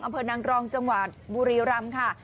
อำเภอนางรองจังหวัดบุรีรำค่ะ